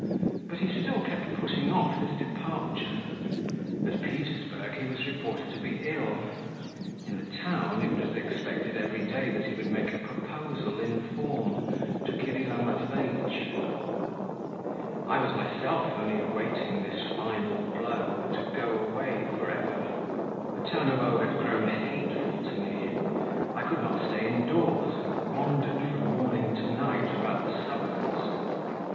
But he still kept putting off his departure. At Petersburg, he was reported to be ill. In the town, it was expected every day that he would make a proposal in form to Kirilla Matveitch. I was myself only awaiting this final blow to go away for ever. The town of O had grown hateful to me. I could not stay indoors, and wandered from morning to night about the suburbs.